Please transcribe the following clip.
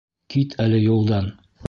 Кит әле юлдан.